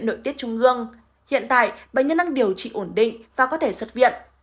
nội tiết trung ương hiện tại bệnh nhân đang điều trị ổn định và có thể xuất viện